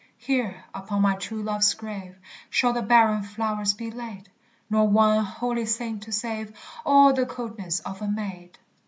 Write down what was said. Here, upon my true love's grave Shall the barren flowers be laid, Nor one holy saint to save All the coldness of a maid.